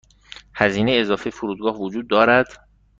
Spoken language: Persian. هزینه اضافه فرودگاه وجود دارد.